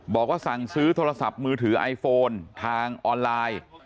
บอกว่าสั่งซื้อโทรศัพท์มือถือไอโฟนทางออนไลน์